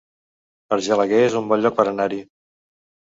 Argelaguer es un bon lloc per anar-hi